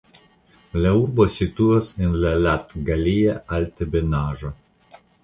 La urbo situas en la Latgalia altebenaĵo.